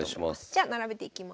じゃ並べていきます。